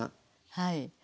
はい。